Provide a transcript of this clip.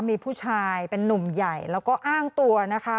มีผู้ชายเป็นนุ่มใหญ่แล้วก็อ้างตัวนะคะ